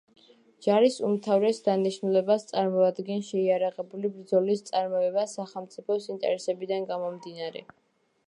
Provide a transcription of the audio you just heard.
ჯარის უმთავრეს დანიშნულებას წარმოადგენს შეიარაღებული ბრძოლის წარმოება სახელმწიფოს ინტერესებიდან გამომდინარე.